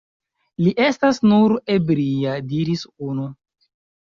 Li estas nur ebria, diris unu.